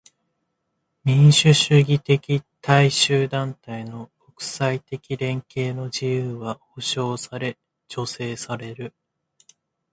民主主義的大衆団体の国際的連携の自由は保障され助成される。